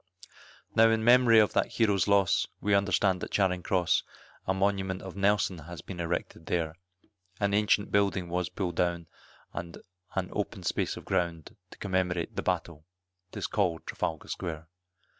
Now in mem'ry of that hero's loss, we understand at Charing Cross, A monument of Nelson has been erected there; An ancient building was pulled down, and an open space of ground To commemorate the battle, it is call'd Trafalgar Square.